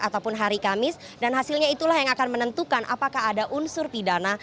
ataupun hari kamis dan hasilnya itulah yang akan menentukan apakah ada unsur pidana